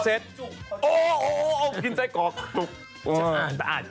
ชุบน้ำเซ็ตโอ้โหกินไส้กรอก